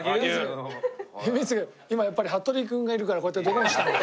今やっぱりハットリくんがいるからこうやってドロンしたんだ。